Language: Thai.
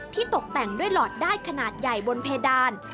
ตกแต่งด้วยหลอดได้ขนาดใหญ่บนเพดาน